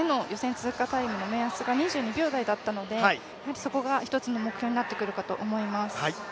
通過タイムが２２秒台だったので、そこが一つの目標になってくるかと思います。